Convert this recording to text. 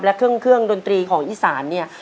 และเครื่องดนตรีของอีสานเนี่ย